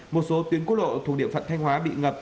một số tuyến quốc lộ thuộc địa phận thanh hóa bị ngập